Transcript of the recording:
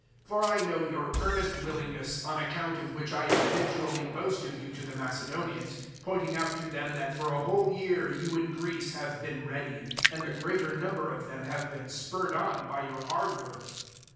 009:002 For I know your earnest willingness, on account of which I habitually boast of you to the Macedonians, pointing out to them that for a whole year you in Greece have been ready; and the greater number of them have been spurred on by your ardour.